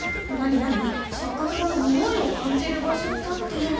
なになに「しょっ角はにおいを感じる場所」だって。